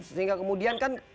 sehingga kemudian kan